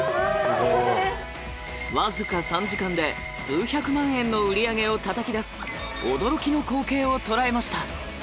僅か３時間で数百万円の売り上げをたたき出す驚きの光景を捉えました。